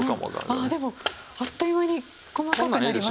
ああでもあっという間に細かくなりました。